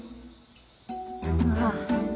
ああ。